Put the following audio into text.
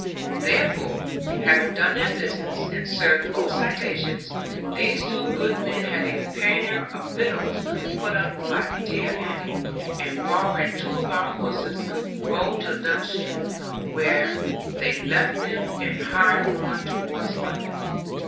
Therefore, having done their business, and served both citations, these two good men had a pannier of victuals put up by dear Annie, and borrowing two of our horses, rode to Dunster, where they left them, and hired on towards London.